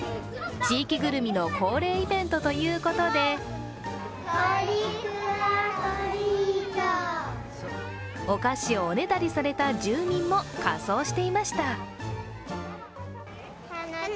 地域ぐるみの恒例イベントということでお菓子をおねだりされた住民も仮装していました。